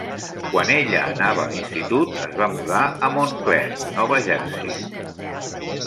Quan ella anava a l'institut, es va mudar a Montclair, Nova Jersey.